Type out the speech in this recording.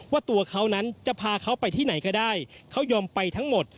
ว่าตัวเขานั้นจะพาเขาไปที่ไหนก็ได้เขายอมไปทั้งหมด